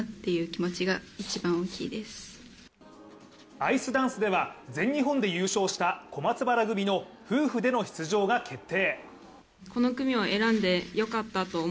アイスダンスでは全日本で優勝した小松原組の夫婦での出場が決定。